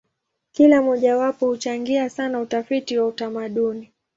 Kila mojawapo huchangia sana utafiti wa utamaduni.